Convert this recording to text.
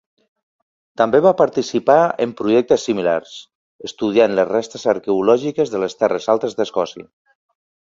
També va participar en projectes similars, estudiant les restes arqueològiques de les terres altes d'Escòcia.